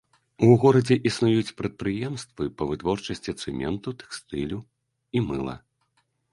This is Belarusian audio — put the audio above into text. У горадзе існуюць прадпрыемствы па вытворчасці цэменту, тэкстылю і мыла.